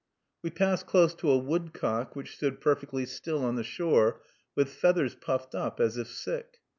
We passed close to a woodcock, which stood perfectly still on the shore, with feathers puffed up, as if sick.